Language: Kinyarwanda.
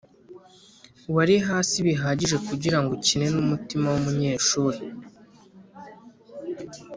wari hasi bihagije kugirango ukine numutima wumunyeshuri